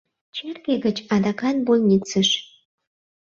Черке гыч — адакат больницыш.